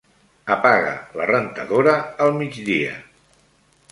Apaga la rentadora al migdia.